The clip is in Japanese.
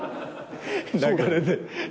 流れで。